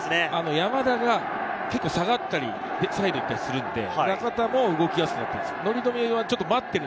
山田が下がったりサイドにいったりするので、中田も動きやすくなっています。